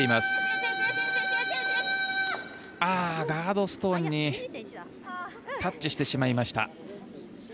ガードストーンにタッチしてしまいました。